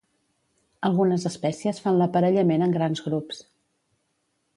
Algunes espècies fan l'aparellament en grans grups.